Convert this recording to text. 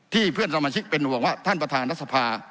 เพื่อนสมาชิกเป็นห่วงว่าท่านประธานรัฐสภา